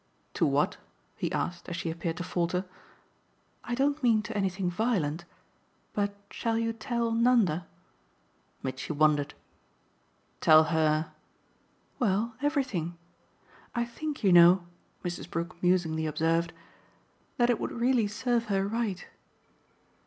"To what?" he asked as she appeared to falter. "I don't mean to anything violent. But shall you tell Nanda?" Mitchy wondered. "Tell her ?" "Well, everything. I think, you know," Mrs. Brook musingly observed, "that it would really serve her right."